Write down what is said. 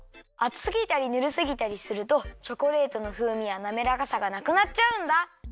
あつすぎたりぬるすぎたりするとチョコレートのふうみやなめらかさがなくなっちゃうんだ。